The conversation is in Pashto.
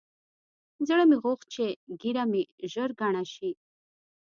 زړه مې غوښت چې ږيره مې ژر گڼه سي.